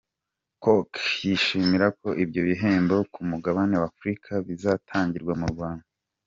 Cooke, yishimira ko ibyo bihembo ku mugabane wa Afurika bizatangirwa mu Rwanda.